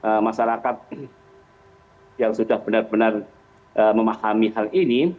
karena masyarakat yang sudah benar benar memahami hal ini